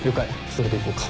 それでいこうか。